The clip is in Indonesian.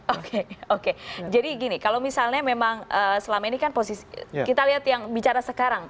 oke oke jadi gini kalau misalnya memang selama ini kan posisi kita lihat yang bicara sekarang